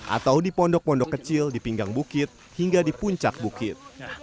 atau di pondok pondok kecil di pinggang bukit hingga di puncak bukit